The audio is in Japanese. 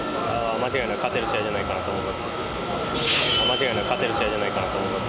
間違いなく勝てる試合じゃないかなと思います。